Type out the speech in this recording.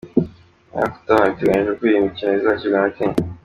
Umwaka utaha biteganyijwe ko iyo mikino izakirwa na Kenya.